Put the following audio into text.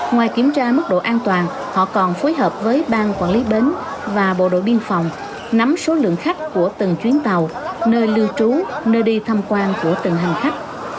ngoài kiểm tra mức độ an toàn họ còn phối hợp với bang quản lý bến và bộ đội biên phòng nắm số lượng khách của từng chuyến tàu nơi lưu trú nơi đi tham quan của từng hành khách